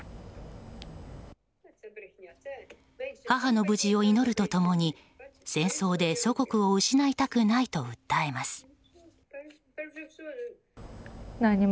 母の無事を祈ると共に、戦争で祖国を失いたくないと訴えます。